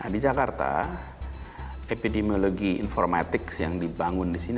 di jakarta epidemiologi informatik yang dibangun di sini